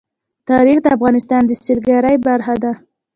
تاریخ د افغانستان د سیلګرۍ برخه ده.